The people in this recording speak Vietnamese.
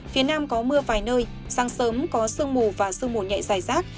phía nam có mưa vài nơi sáng sớm có sương mù và sương mù nhẹ dài rác